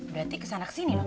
berarti kesana kesini lho